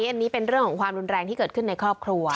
อันนี้เป็นเรื่องของความรุนแรงที่เกิดขึ้นในครอบครัว